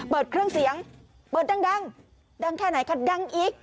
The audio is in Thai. เปิดเครื่องเสียงเปิดดังดังแค่ไหนคะดังอีก